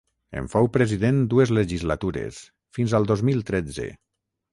En fou president dues legislatures, fins al dos mil tretze.